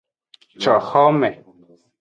Coxome.